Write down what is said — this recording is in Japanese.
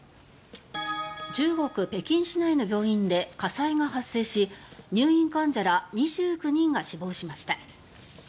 中国・北京市内の病院で火災が発生し入院患者ら２９人が死亡しました。